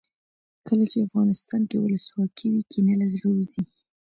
کله چې افغانستان کې ولسواکي وي کینه له زړه وځي.